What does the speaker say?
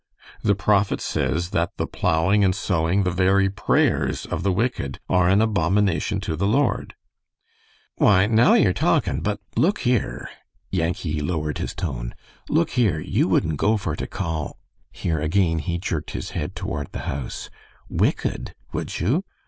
"The prophet says that the plowing and sowing, the very prayers, of the wicked are an abomination to the Lord." "Why, now you're talkin', but look here." Yankee lowered his tone. "Look here, you wouldn't go for to call" here again he jerked his head toward the house "wicked, would you?